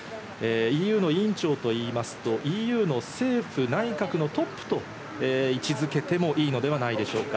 ＥＵの委員長と言いますと、ＥＵの政府、内閣のトップと位置付けてもいいのではないでしょうか。